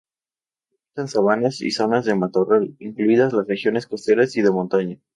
Habita en sabanas y zonas de matorral, incluidas las regiones costeras y de montaña.